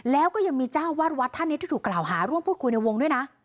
แล้วก็ยังมีเจ้าวาดวัดท่านนี้ที่ถูกกล่าวหาร่วมพูดคุยในวงด้วยนะ